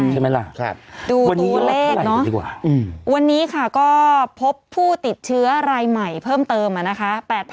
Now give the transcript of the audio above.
ใช่ไหมล่ะดูตัวเลขเนาะดีกว่าวันนี้ค่ะก็พบผู้ติดเชื้อรายใหม่เพิ่มเติมนะคะ